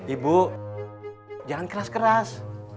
ibu jangan keras keras